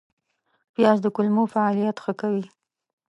پیاز د کولمو فعالیت ښه کوي